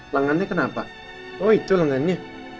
sama papa oh itu loh nganya